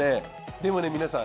でも皆さん。